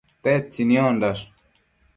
Tedtsi niondash?